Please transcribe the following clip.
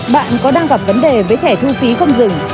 bạn có đang gặp vấn đề với thẻ thu phí không dừng